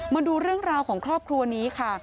มาดูเรื่องราวของครอบครัวนี้ค่ะ